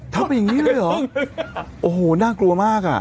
ไปอย่างนี้เลยเหรอโอ้โหน่ากลัวมากอ่ะ